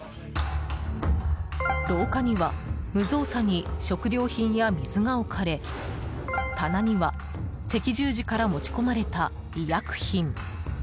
廊下には無造作に食料品や水が置かれ棚には赤十字から持ち込まれた医薬品。